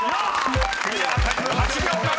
［クリアタイム８秒７］